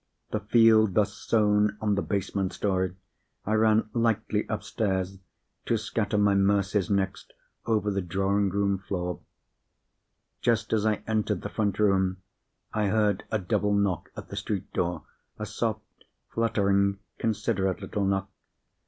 The field thus sown on the basement story, I ran lightly upstairs to scatter my mercies next over the drawing room floor. Just as I entered the front room, I heard a double knock at the street door—a soft, fluttering, considerate little knock.